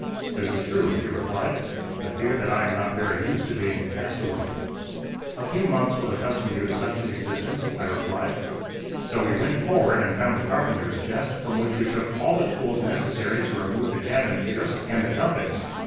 "That is true," he replied; "I fear that I am not very used to being a castaway." "A few months will accustom you to such an existence," I replied. So we went forward and found the carpenter's chest, from which we took all the tools necessary to remove the cabin chairs, and the compass.